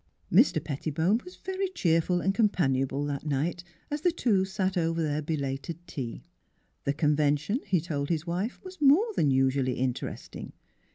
.,. Mr. Pettibone was very cheerful and compan ionable that night as the two sat over their be lated tea. The convention, he told his wife, was more than usually interesting.